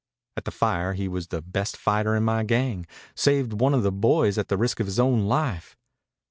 "At the fire he was the best fighter in my gang saved one of the boys at the risk of his own life.